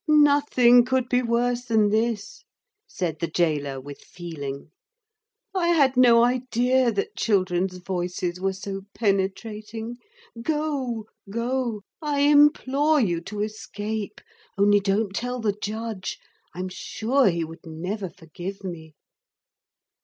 'Nothing could be worse than this,' said the gaoler, with feeling. 'I had no idea that children's voices were so penetrating. Go, go. I implore you to escape. Only don't tell the judge. I am sure he would never forgive me.'